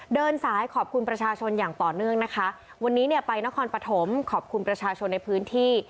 เดินสายขอบคุณประชาชนอย่างต่อเนื่องนะคะวันนี้เนี่ยไปนครปฐมขอบคุณประชาชนในพื้นที่